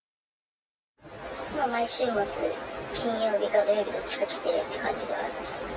毎週末、金曜日か土曜日、どっちか来てるって感じではありました。